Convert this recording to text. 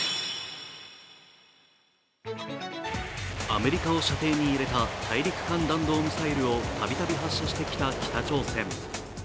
アメリカを射程に入れた大陸間弾道ミサイルをたびたび発射してきた北朝鮮。